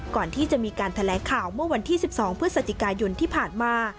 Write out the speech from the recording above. ก่อนที่จะมีการแถลงข่าวเมื่อวันที่๑๒พฤศจิกายนที่ผ่านมา